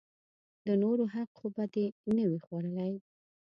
د نورو حق خو به دې نه وي خوړلئ!